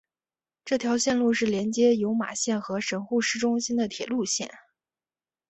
这条线路是连接有马线和神户市中心的铁路线。